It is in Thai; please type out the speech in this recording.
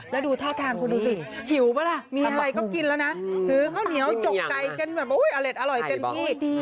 แล้วดูท่าทางคุณดูสิหิวป่ะล่ะมีอะไรก็กินแล้วนะถือข้าวเหนียวจกไก่กันแบบอเล็ดอร่อยเต็มที่